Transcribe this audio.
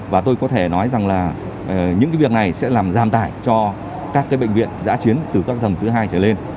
và tôi có thể nói rằng là những việc này sẽ làm giảm tải cho các bệnh viện giã chiến từ các tầng thứ hai trở lên